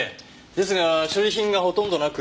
ですが所持品がほとんどなく。